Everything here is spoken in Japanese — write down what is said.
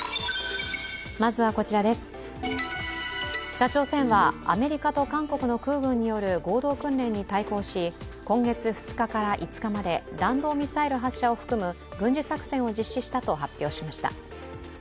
北朝鮮はアメリカと韓国の空軍による合同訓練に対抗し今月２日から５日まで弾道ミサイル発射を含む軍事作戦を実施したと発表しました。